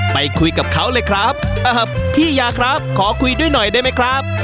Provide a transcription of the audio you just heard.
ไปคุยกับเขาเลยครับพี่ยาครับขอคุยด้วยหน่อยได้ไหมครับ